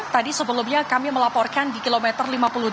tadi sebelumnya kami melaporkan di kilometer lima puluh delapan